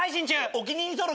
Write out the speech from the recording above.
お気に入り登録。